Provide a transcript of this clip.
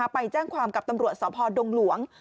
ไปแจ้งความกับตำรวจสพดงหลวง